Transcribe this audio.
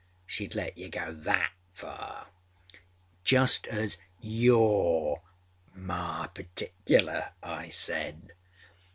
â (Sheâd let you go that far!) âJust as youâre my particular,â I said.